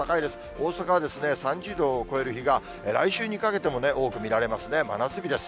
大阪は３０度を超える日が、来週にかけても多く見られますね、真夏日です。